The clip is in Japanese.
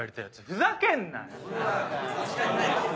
ふざけんなよ。